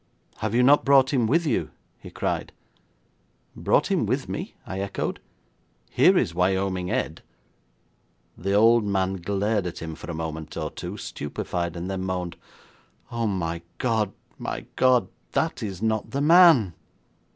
'Have you not brought him with you?' he cried. 'Brought him with me?' I echoed. 'Here is Wyoming Ed!' The old man glared at him for a moment or two stupefied, then moaned: 'Oh, my God, my God, that is not the man!'